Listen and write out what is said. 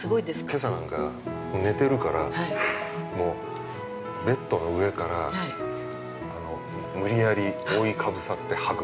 ◆けさなんか、寝てるからもう、ベットの上から無理やり覆いかぶさってハグ。